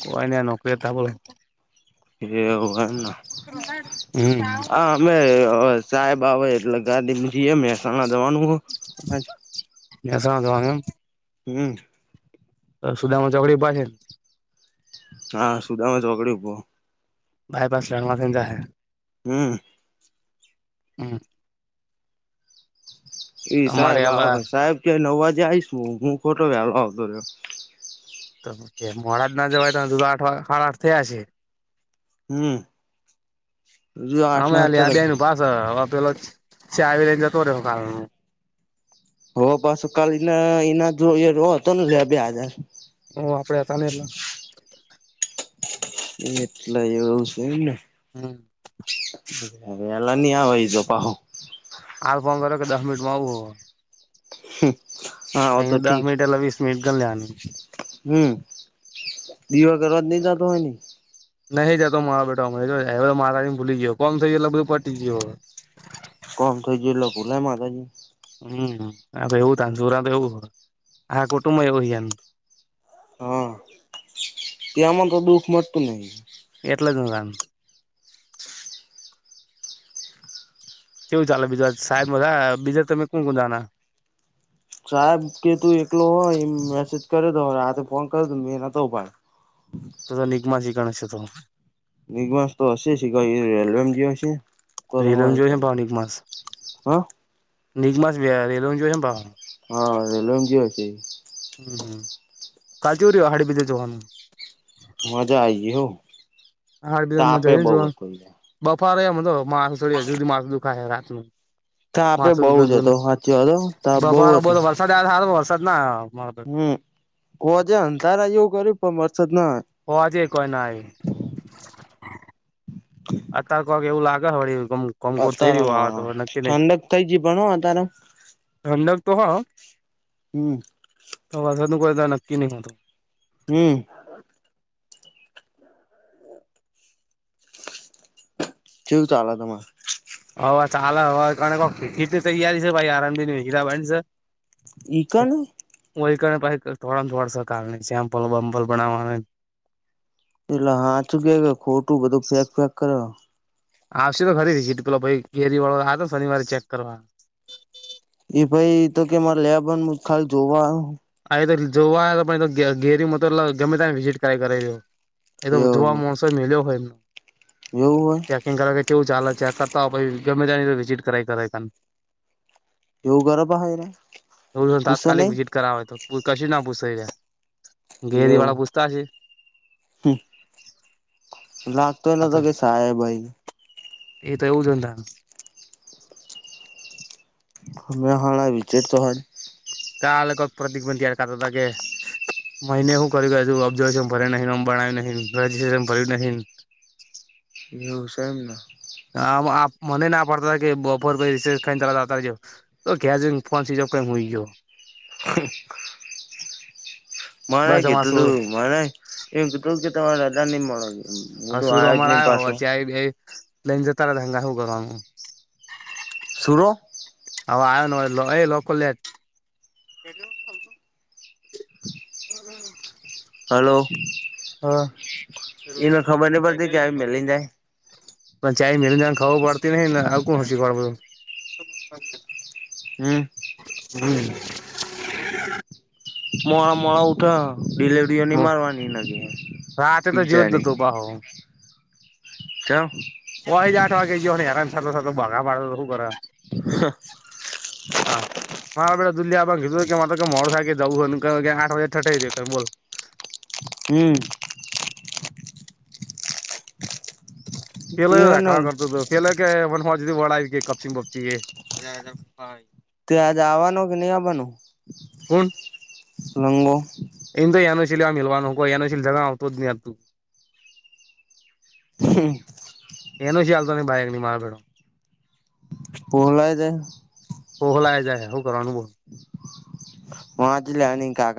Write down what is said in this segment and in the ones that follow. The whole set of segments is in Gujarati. કઈ ના નોકરીએ ત બોલે એવ ના હમ હ અમે સાહેબ આવે એટલેગાજીી મહેસાણા દવાનું હો મહેસાણા જોવાનું એમ. હમ્મ. સુધા મા છોકડી પાસે હા સુદામાં ચોકડી ઉભું. બાયપાસ લણવાથી જાયે. હમ્મ. હમ્મ. એ અમારે સાહેબ આવા સાહેબ ક્યાં નવ વાજે આઈશ હું ખોટો વ્યાલો આવતો રહ્યો. એ મોડા જ ના જવાય ત જુદો આઠ આ આઠ થયા હ છે. હમ્મ જો આઠ ના અંદર હ આપેલા ચાવી લઈ જતો રેવાનું. હો પાછું કાલ એના એના જો હતો ને લે બે હજાર હ આપડે હતા ને એટલા. એટલે એવું છે એમ ને. હમ્મ. વેલા ની આવેઈ જો પહો. આાલ ફોન કર્યો કે દસ મિનિટ માં આવવું. હમ્મ. અ દસ મિનિટ ની વિશ મિનિટ કર નાખે. હમ્મ દીવા કરવા જ નઈ જતો હોયની. નહી જાતો મારા બેટામે મહારાજીની ભૂલી ગયો કોમ સ લગભ પટી ગયો. કોમ થઈ જે ભૂલાય માતાજી. હમ્મ એવું ત સુરા તો એવું હો આ કુટુંબ એવું હો. હા ત્યાંમાં તો દુઃખ મળતું નહ. એટલે જું લ કેવું ચાલે બીજા સાહેબ મા બીજા તમે કોણ કોણ જાના. સાહેબ કે તું એકલો હોય એ મેસેજ કરે દ રાતે ફોન કર દો મેં નતો ભાઈ. ત તો નિગમા શ ગણ છે હતો. મગમાંસ તો હશે ક એલ્બમ જે હશે. તો તો રેલવેમ હોય જોઈ છે કઈ પાાવ નિક માસ હા નિક માસ બે રેલવેમ જોઈ છે પાાવ. હા રેલવે મજી છે. હમ્મ હમ્મ કાલચ ઉરી હાડી બીજે જવાનું. મજા આ હો. હાડ બી મમાં તાપે જઈ ને બઉ જો હતો બફારને તો માસું છડી હ સુી માસું દુખાય રાત ન. તા આપે બઉુ જ હતો સાચ્યો હતો તા બહુ હતો. આજ ના દાળો સારો વરસાદ ન આયો. હમ્મ કોજે અંધારા એવું કર્યું પણ વરસાદ ના આયો. હાજ કોઈ ના એ. અતાર કક એવું લાગે વળી ગમ અતારમાં ઠંડક થઇ જ પણ હો અતાર ઠંડક તો હ હમ તો વરસાદ નું કોઈ નક્કી નહી હોતું. હમ્મ. કેવું ચાાલ તમારે? હ ચાલે હવેક હીટ તૈયારી છે ભાઈ આરામબી હીરા બની છે. ઈ કનું. વછ થોડા થોડા સરકાર ચેમ્પલ બમપલ બનાવા. એટલે હાચ ગ ખોટું બધું ફેંક ફેંક કરે. આવશે ને ખરીીટ પેલો ભાઈ ઘેરી વાળો આ તો શનિવારે ચેક કરવા એ ભાઈ તો કે મારે લે ખા જોવા અ તો જોવા તો પણ ઘેરમાં તો ગમે તને વિઝિટ કરાય કરેું એ તો જોવા એવું માણસોય મેલ્યો હોય એવું હોય એમ્યા એ કર કેવું ચાલે છે આ કરતા હો ગમે તની વિઝટ કરાઈ કર એવું કરે પાહે પૂછે તાત્કાલિક નહી વિઝિટ કરાવવા તો પ કશ ના પૂછાય છે ઘેરી વાળ પૂછતા અશે હ લાગતોય ન તો કે સાહે ભાઈ એ તો એવું હોય અમે હાણા આ વિકેટ તો હાલ કાલ ક પ્રતીિક બંતીયાર કાતદાગે મિને હું કરું ઓબ્ન ભરે નંણ્યું નન ભર્યું નહી હ હ છે એમ ના હ મને ના પડતા કે બપોર પ ર ત આવતા તો ગેીજો ક હોય ગયો ઓ માને બસ અમાર જતોું સુર તું માને એું હ શ સુર અમારે આવ હો તં લઈન જ તારા ધંગા હો ગ શરૂ હવે આવ ન એ લોકો લે એ હલો એને ખબરની પડતી આયિ મેલી ને જાય પણ ચાય મલ જાને ખા પડતી નને ને આવું કોણ હ શીખ [unintelligible] હમ હમ મોડા મોડા ઉઠા ડીલેવડીઓ ની મારવાની નગ હાતે તો જી્યો જતો ભ હ કે ઓય જ આઠ વાગે જયો હેરાન થતો થતો ભાગા માડ તો શું કર હા મારાે દિલ્હી આપણ કીધું કે મારે મોડ થાય કે જવું હો કે આઠ વાગે ઠાઈઈ બોલ હમ એ ને પેલાખાવા કરતો તો પેલા કે મ હ વળ આવી કપચિંગ બપચી તે આજ આવવાનું કે નહી આવવાનું હૂણ લમબો એ તો એયાનો શિલ મવાનું હોયાનોીલ જ આવતો જ નહીતું હમ એનો છે ચાલતા નની ભાઈગની મારેડો પોહલાય દે ઓહ હોલા જાય હું કરવાનું બો વાજલાની કા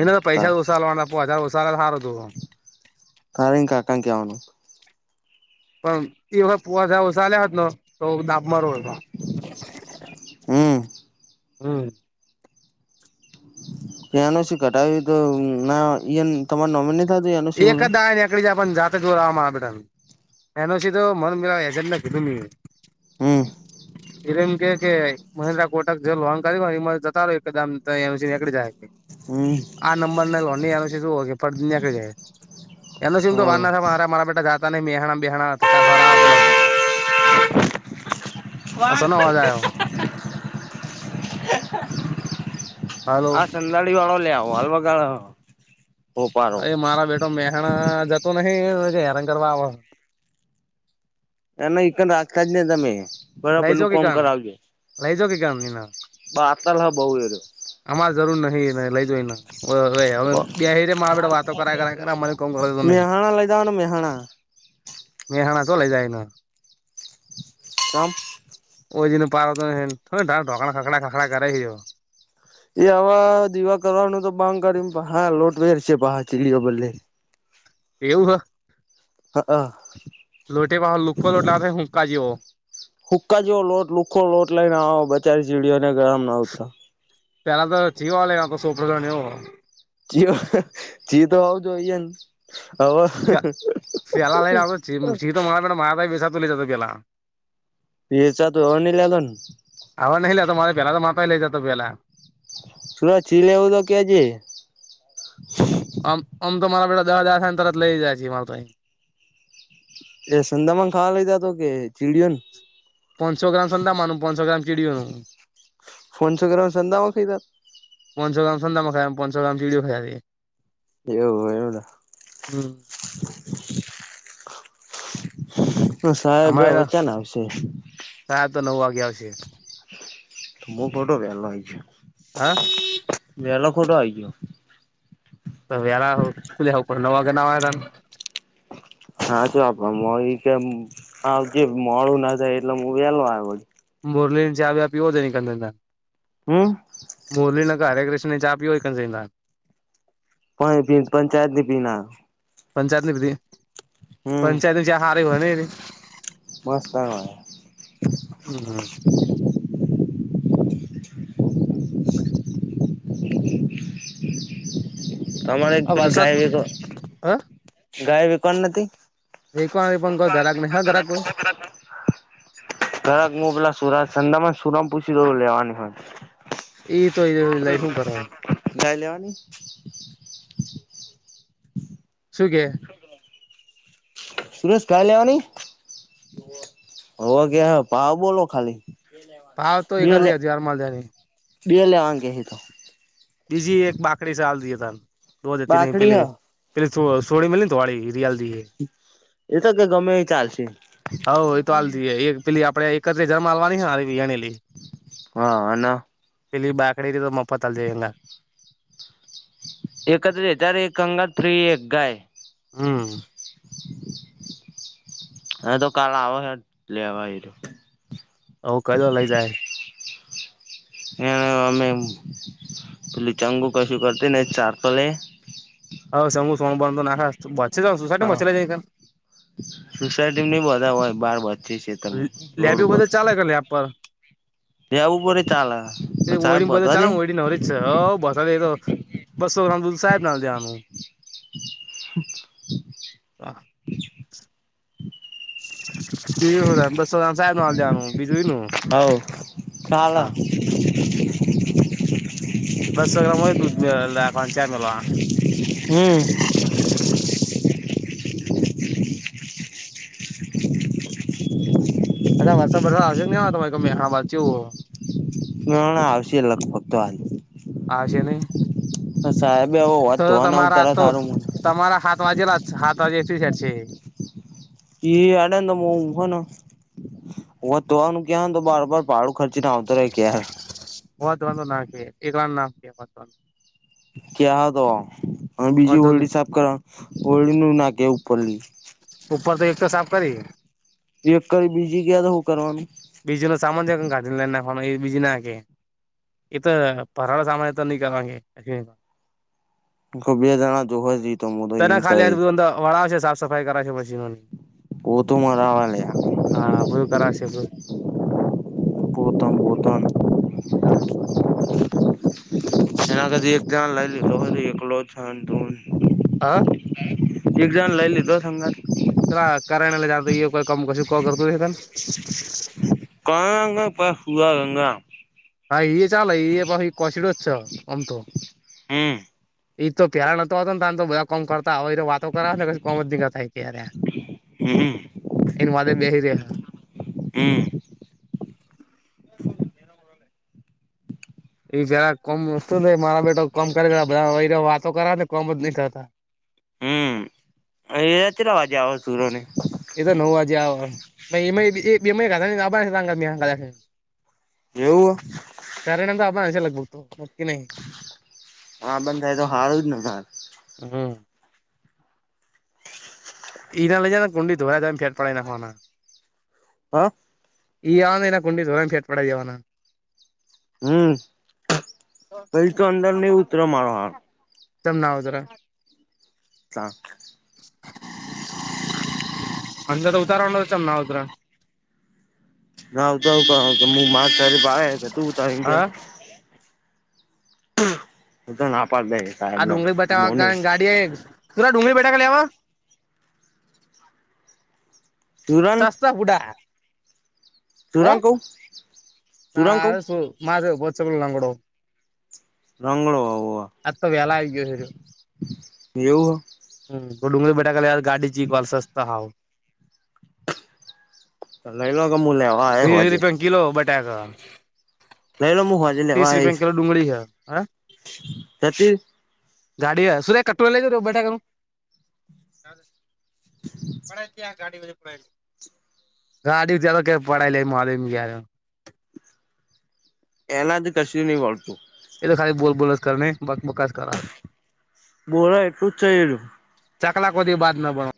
એને તો પૈસા [unintelligible] દોસાાલ વા પો હજાર ઓોસા સારો જો સરેકા [unintelligible] આકાં કે આવવાનું [inaudible] પણ એ વખત પુવાસા ઓછા આવ્યા હોત તો ડાબમાં ર હમ હમ ત્યાનું શું કટાવ્યું [unintelligible] તો ના તમાર નોમીને એક દિવસ નીકળી જાય જોર મારાપેટ એન ઓછી તો મ હજ નથી કેી તું હમ એટલે એમ કે કે મહેન્દ્ર કોટક જે લોંગ કર્યું એ જતા રહો એકદમ ત નીકળી જાય હમ આ નંબર ન લોહી છે શું ફડ ને કડી જાય એના [unintelligible] શ તો વાર હવ ના મારા મારા બેા જતા નહી મેહણા બેહણા ધક્કા ખવરા પેલો [inaudible] આ વા સનો અવાજ આવ્યો [unintelligible] હાલો હ સંંદાડીવાળો લ્યાવો હોલ વગાડી અ મારા બેટો મેહણા જતો નહિ હેરાન કરવા આવ એના એકઇકન્ આખતા જ નને તમે બરાબર લઈજો નું કે કોમ કણ લઈજો કે કપ ની ના બાતાલ હ બઉુ એ્યો અમાર જરૂર નહિ એને લઈ જવો ઈને રહ્યો બ [unintelligible] મા બેડ વાતો [unintelligible] કર કર કર આને કોણ કર નહી મેહાણા લઈ જવાના મેહાણા મેહાણા શું લઈ જાયના કમ ઓઈ જને [unintelligible] પારઢકણ ખખડા ખખડા કરેજો એ આવા દીવા કરવાનું તો બધ કરી હા લોટવેર છેા ચીડીઓ બદલે એવું હ હા અ લોટે પા લુખ લોટલા હુંકા જેવો હુક્કા જેવો લોટ લુખો લોટ લઈને આવો બચારી ચીડીઓને ગરમ ના ઉતરા પેલા તો જીવો એ સોપસા જી તો હોવુ જોઈએ હવે [unintelligible] લા લઈ આવ શી તો મા મા બેસાા [unintelligible] લ જ પેલા [unintelligible] વેચાતો તોની હ નહિ લેવાલ આવવા નઈ લેતો મારે પેલા તો માતા લઈ જતો પેલા સુરતચી લેવું તો કે જે આમ આમ તો મારા બેેા [unintelligible] દહ હજાર થ ને તરત લઈ જાય છીએ માર તો એ સંંદમાન ખાવા લઇ જતો કે ચીડીયો ને પંસો ગ્રામ સંતા માનું પંસો ગ્રામ ચીડીઓનું ફોનસો [unintelligible] કર્રઉ સંધા વાખતા [unintelligible] પંસો ગ્રામ સંડામા ખાય આમ પંસો ગ્રામ ચીડઓ ખાય જતી એવું એવડા હમ [inaudible] હા સાહેબે વચન આપશે તા નવ વાગે આવશે હું ખોટો વહલો આવી ગયો હા વહલો ખોટો આવી ગયો તો [unintelligible] વ ખુલ્યા ઉપર ન વાગે નવા તને [inaudible] હાચો આપ મળી કે જે મોળુ ના થાય એટલે હું વેલો આવે વડી મુરલીને ચા વ્યા પીવો છો [unintelligible] હમ મોરલી નગ હરે કૃષ્ણની ચા પીયો ક શઈ પા પંચાયત ની પીના પંચાયતની વિધી હમ પંચાયત ન્યાં સારી હોને મસ્ત આવ્યો હમ હમ તમામારે એકલી વરસાદ ગાય બેર હ ગાાય બેકર એક પણ નથીથી કોઈ ગરાક નહી હ ગરાક કોઈ [unintelligible] કરાક હું પેલા સુરાત ચંદામાં સુરમ પૂછી લેવાની હોય એ તોઈ ચા લેવાની શું કેે સુરેશ ચા લેવાની હોવ કે હે ભાવ બોલો ખાલી ભાવ તો બે એકત્રીસ હજાર માલજાની બે લેવા કે હે તો બીજી એક બાકડી સાલ દ ત ધો દેતી નહી બાકડી પેલે હ પેલી સોડી મી ને તો વાડી રિયાલ એતો કે ગમે ચાલશે હવ એ તો હાલ દઈએ એક પેલી આપણે એકત્ર જન્મા આવવાનીરી હા અને પેલી બાકડી તો મફત ચલ જઈા એકત્ર ત્યારે એક કંગાત ફ્રી એક ગાય હમ હ તો કાલ આવો છે લેવા જ્યો ઓ કઈ ઓ લઈ જાય એ અમે પેલું ચંગુ કશું કરતી ને ચારકો લે હ સંગું સંગ બંધ નાખછી સુસટી મછી લ જ સુસાયટી નહી બધા હોય બાર ભચી છેેતરમાં રોડ ઉપર લ્યા પર એવું બરે ચાલે તો સાહેબ બવા દે અચ્છા બ દે તો બસો ગ્રામ દુધ સાહેબના આવ દેવાનુ અચ્છા કે હું ત બસોરામ સાહેબ ના જવાનું બીજું નું હ ચાલ દસો ગ્રામ હોય દૂધ મે પા ચાર મ હા અચ્છ વરસાદ બરસા દઆવશે ન તમેમે હાત કેવું હો ના આવશ એ લ ફક્તવા આવશે નહી સાહેબ આવ વાત તો તોને હું તમારા તાર આ તો સારું મ તમારા હાથ વાજેલા જ હાથ વાજે એકટલી શટ છે પ આડે મોઘો હ તો આનું ક્યાો બાર બાર પાડ ખર્ચી ના આવતો રહે કેયાર હોતો નાક એગ નાકીત ક્યા તો અને બીજી વાંધો હોળડી સાફ કરવા હોડીનુંું નાખ ઉપરલી ઉપર તો એક તો સાફ કરી એક કરી બીજી કે તો હું કરવાનું બીજું ન સામાન જે ઘાઢ લ ના એ બીજી નાે એ તો પરાળ સાંમાન ન કરવાગે અ હ બે જણા જોવા જએ તો તો તને એમ કહે ખાલી બધું વળાવશે સાફ સફાઈ કરાવશે મશીનોની પોતું મરાવા લયા હા હ બધું કરાશે બ. બોતા બોતા ન. હા. એના કધી એક જણ લાગ લ તો એકલો છ દ. હ. એક જણ લઈ લીધો અંગત ચ કરેને લે જ કોઈ કામ કશું કો કરતું ત ક પા સુવા ગંગ. હા ચાલ પ કછડ છો એમ તો. હમ્મ. એઈ તો પ્યાર નોતો ને આમ તો બધા કોમ કરતા હોય એ તો વાતો કરાવ ને કોમ જ દીક થાય કે હમ એન વાદે બેહી રહ. હમ્મ. એ એ જરા કોમ વસ્તુ ન મારા બેટા કમ કરી દે બધા વાતો કરા ને કમ જ નહી કરતા. હમ્મ એ રવાજે આવ સુૂરો ને? એ તો નવ આવજે આવે. [inaudible] એવું કારણ તો આપ હચ લગભગતો નક્કી નહી આા બંધ થાય તો હારું જ નાર. હમ્મ. એના લજાને કું દધરા દમ ફડ પડાય નાખવાના. હા. આવવાનના કુંડી દોય્ રામ સેટ પડે દેવાના. હમ્મ પઈ તો અંદર નઈ ઉતરો મારો હાર. સમ ના ઉતરે. સાાર અજ તો ઉતારણ ચમ ઉરા. ના આવ તો ક હ મારે સારી પાળ તું તો કેમ. હા હ તો નાપાર બે. આ ડુંગળી બેઠાવા ગાડી તરા ડુંગળી બેા લેવા સુરન સસ્તા બુડા ભૂરા ને કેવ? ના માધ પોચકોલ નાંગડ રંગડોવો તો વેલા આવી ગયો છે એવું હમ ડુંગર બેઠાકા ગાડી ક કોલ સ્સ્થ હું. તો લઈ લો મું લ આવ. તીસ રૂપિયા કિલો બટાકા લઈ લો હું ત્રીસ રૂપ કલો ડુંગળી હ. હા. તથી. ગાડી હ સુધ્યા કટ લ જ બટાકાનું. પ ગાડી પ ગાડી કે પડા લ મળી મેરે એના જ કશી નહી વળતું. એ તો ખાલી બોલ બોલ જ કર બક બકત. બોરા એટું જ છેઇલું. ચકલા કોદીી બાજ ન બને.